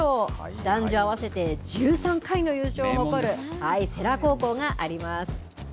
男女合わせて１３回の優勝を誇る世羅高校があります。